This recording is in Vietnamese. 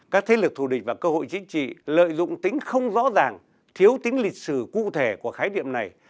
các thế lực thù địch và cơ hội chính trị lợi dụng tính không rõ ràng thiếu tính lịch sử cụ thể của khái niệm này